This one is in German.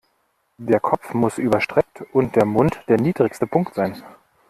Der Kopf muss überstreckt und der Mund der niedrigste Punkt sein.